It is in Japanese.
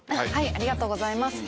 ありがとうございます